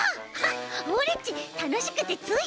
オレっちたのしくてつい。